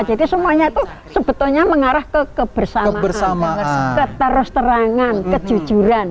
jadi semuanya itu sebetulnya mengarah ke kebersamaan keterosterangan kejujuran